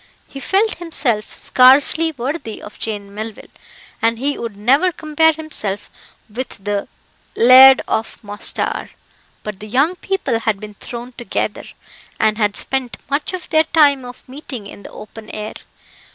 He felt himself scarcely worthy of Jane Melville, and he would never compare himself with the Laird of Mosstower. But the young people had been thrown together, and had spent much of their time of meeting in the open air.